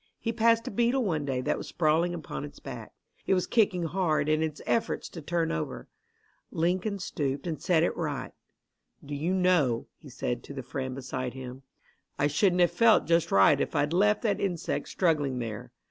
He passed a beetle one day that was sprawling upon its back. It was kicking hard in its efforts to turn over. Lincoln stooped and set it right. "Do you know," he said to the friend beside him, "I shouldn't have felt just right if I'd left that insect struggling there.